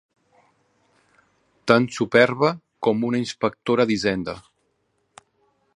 Tan superba com una inspectora d'Hisenda.